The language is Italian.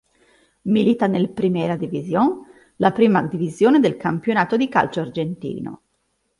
Milita nel Primera División, la prima divisione del campionato di calcio argentino.